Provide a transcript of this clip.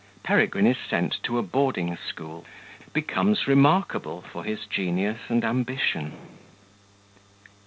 Peregrine is sent to a boarding school Becomes remarkable for his Genius and Ambition.